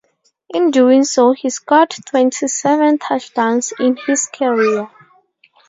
In doing so, he scored twenty-seven touchdowns in his career.